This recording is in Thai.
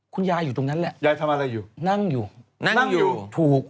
คุณยายอยู่ตรงนั้นแหละยายทำอะไรอยู่นั่งอยู่นั่งนั่งอยู่ถูก